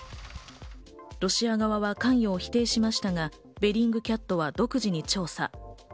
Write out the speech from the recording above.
ロシア側は関与を否定しましたが、ベリングキャットは独自に調査。